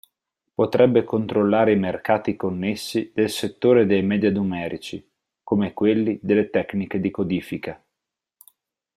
Potrebbe controllare i mercati connessi del settore dei media numerici, come quelli delle tecniche di codifica.